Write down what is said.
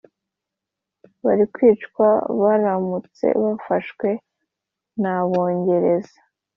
bari kwicwa baramutse bafashwe nabongereza.